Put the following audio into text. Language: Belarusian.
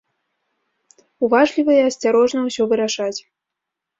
Уважліва і асцярожна ўсё вырашаць.